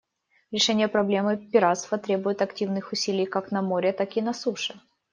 Решение проблемы пиратства требует активных усилий как на море, так и на суше.